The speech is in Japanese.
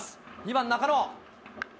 ２番中野。